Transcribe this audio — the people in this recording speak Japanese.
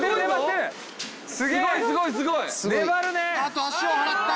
あっと足を払った。